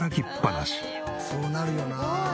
そうなるよな。